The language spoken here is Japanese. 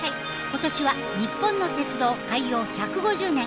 今年は日本の鉄道開業１５０年。